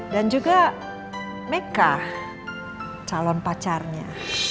dan juga meka calon pacarnya